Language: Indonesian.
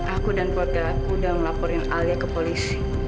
aku dan keluarga aku udah melaporin alia ke polisi